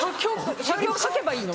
写経書けばいいの？